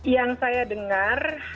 yang saya dengar